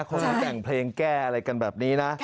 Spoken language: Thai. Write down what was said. เขามีแต่งเพลงแก้อะไรกันแบบนี้นะ